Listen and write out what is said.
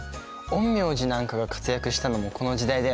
陰陽師なんかが活躍したのもこの時代だよね。